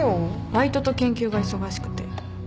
バイトと研究が忙しくて無理。